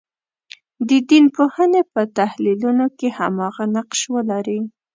د دین پوهنې په تحلیلونو کې هماغه نقش ولري.